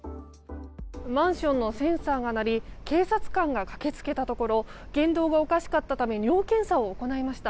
マンションのセンサーが鳴り警察官が駆け付けたところ言動がおかしかったため尿検査を行いました。